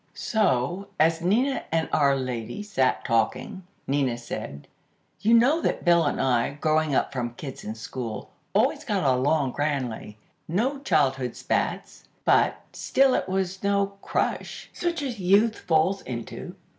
So, as Nina and our Lady sat talking, Nina said: "You know that Bill and I, growing up from kids in school, always got along grandly; no childhood spats; but, still it was no 'crush' such as Youth falls into.